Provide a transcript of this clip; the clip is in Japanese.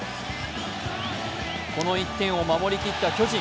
この１点を守りきった巨人。